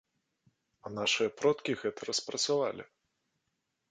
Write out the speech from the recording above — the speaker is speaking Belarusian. А нашыя продкі гэта распрацавалі.